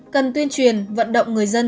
cần tuyên truyền vận động người dân